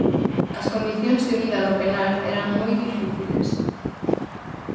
As condicións de vida no penal eran moi difíciles.